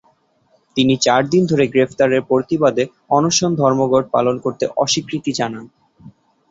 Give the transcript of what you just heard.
তিনি চার দিন ধরে গ্রেফতারের প্রতিবাদে অনশন ধর্মঘট পালন করতে অস্বীকৃতি জানান।